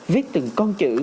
viết từng con chữ